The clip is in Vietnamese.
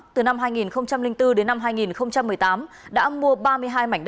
từ năm hai nghìn bốn đến năm hai nghìn một mươi tám